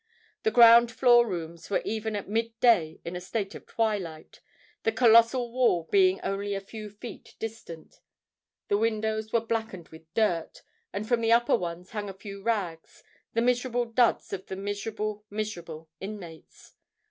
The ground floor rooms were even at mid day in a state of twilight, the colossal wall being only a few feet distant:—the windows were blackened with dirt; and from the upper ones hung a few rags—the miserable duds of the miserable, miserable inmates.